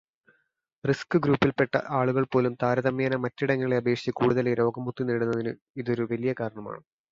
റിസ്ൿ ഗ്രൂപ്പിൽ പെട്ട ആളുകൾ പോലും, താരതമ്യേന മറ്റിടങ്ങളെയപേക്ഷിച്ച്, കൂടുതലായി രോഗമുക്തി നേടുന്നതിന് ഇതൊരു വലിയ കാരണമാണ്.